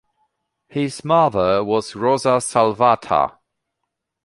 His mother was Rosa Salvatha.